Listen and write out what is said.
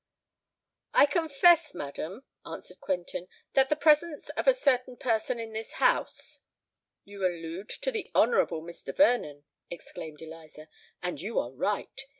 "I confess, madam," answered Quentin, "that the presence of a certain person in this house——" "You allude to the Honourable Mr. Vernon," exclaimed Eliza; "and you are right!